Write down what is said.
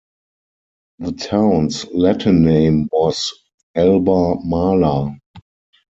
The town's Latin name was "Alba Marla".